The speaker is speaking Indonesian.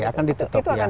itu akan ditutup